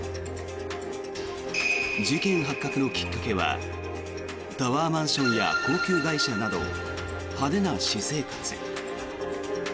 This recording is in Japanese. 事件発覚のきっかけはタワーマンションや高級外車など派手な私生活。